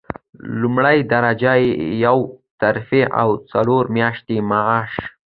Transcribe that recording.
لومړۍ درجه یوه ترفیع او څلور میاشتې معاش.